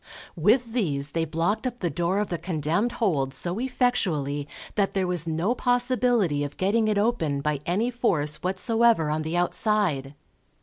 With these they blocked up the door of the condemned hold so effectually that there was no possibility of getting it open by any force whatsoever on the outside.